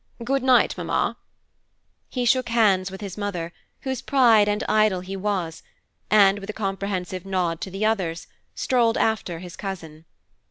Good night, Mamma." He shook hands with his mother, whose pride and idol he was, and, with a comprehensive nod to the others, strolled after his cousin.